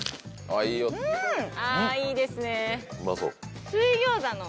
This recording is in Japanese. ああいいですね。